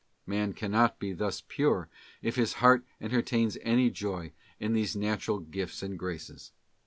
Man cannot be thus pure if his heart enter tains any joy in these natural gifts and graces.